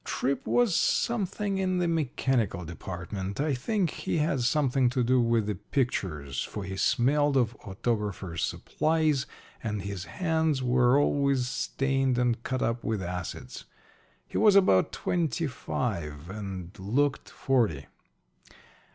Tripp was something in the mechanical department I think he had something to do with the pictures, for he smelled of photographers' supplies, and his hands were always stained and cut up with acids. He was about twenty five and looked forty.